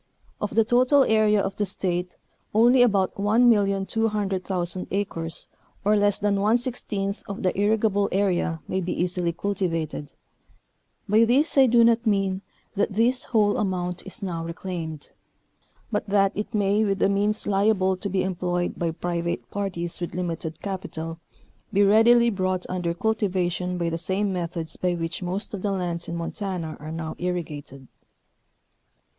Of the total area of the State only about 1,200,000 acres or less than one sixteenth of the irrigable area may be easily cultivated, by this I do not mean that this whole amount is now reclaimed, but that it may with the means liable to be employed by private parties with limited capital, be readily brought under cultivation by the same methods by which most of the lands in Montana are now irrigated.